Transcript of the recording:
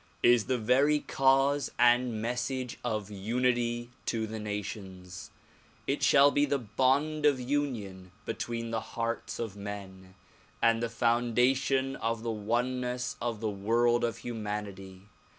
is the very cause and message of unity to the nations; it shall be the bond of union between the hearts of men, and the foundation of the oneness of the world of humanity.